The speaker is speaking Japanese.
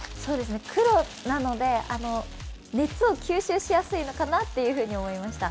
黒なので熱を吸収しやすいのかなと思いました。